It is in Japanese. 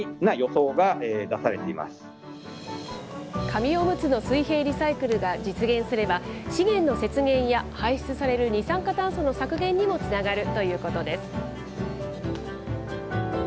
紙おむつの水平リサイクルが実現すれば、資源の節減や排出される二酸化炭素の削減にもつながるということです。